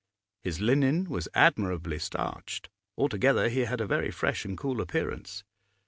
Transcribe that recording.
His linen was admirably starched; altogether he had a very fresh and cool appearance.